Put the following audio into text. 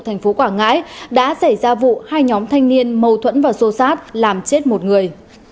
thành phố quảng ngãi đã xảy ra vụ hai nhóm thanh niên mâu thuẫn và xô xát làm chết một người